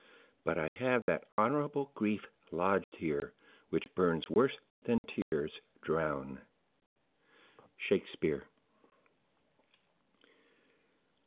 But I have that honourable Grief lodged here, which burns worse than Tears drown —Shakespeare.